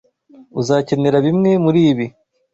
Uzakenera bimwe muribi.